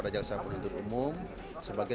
nunggu perintah semuanya